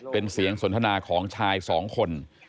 เป็นเสียงสนทนาของชายสองคน